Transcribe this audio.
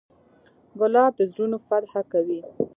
ګلاب د زړونو فتحه کوي.